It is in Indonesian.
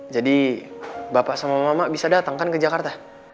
jadi bapak sama mama bisa datang kan ke jakarta